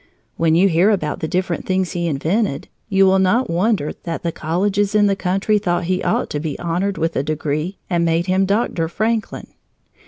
When you hear about the different things he invented, you will not wonder that the colleges in the country thought he ought to be honored with a degree and made him Doctor Franklin.